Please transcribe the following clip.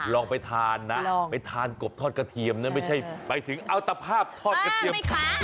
ลองไปทานนะไปทานกบทอดกระเทียมนะไม่ใช่ไปถึงเอาตภาพทอดกระเทียม